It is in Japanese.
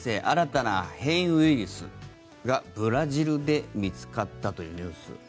新たな変異ウイルスがブラジルで見つかったというニュース。